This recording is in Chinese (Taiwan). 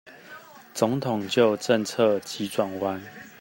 總統就政策急轉彎